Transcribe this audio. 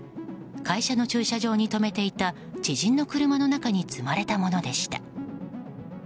会社の駐車場に止めていた知人の車の中に積まれたものでした。